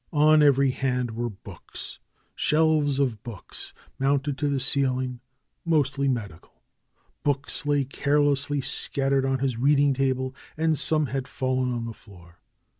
On every hand were books. Shelves of books mounted to the ceiling, mostly medical. Books lay carelessly scattered on his reading table, and some had fallen on the floor.